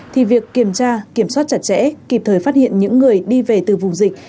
thì việc kiểm tra kiểm soát chặt chẽ kịp thời phát hiện những người đi về từ vùng dịch